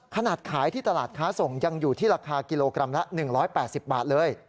ขนาดขายที่ตลาดค้าส่งยังอยู่ที่ราคากิโลกรัมละ๑๘๐บาทเลย